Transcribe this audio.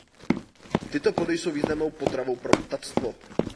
Tyto plody jsou významnou potravou pro ptactvo.